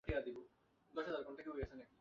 তিনি রাইসেন দুর্গের নিয়ন্ত্রণ নেন।